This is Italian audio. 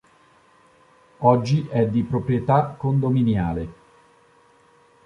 Oggi è di proprietà condominiale.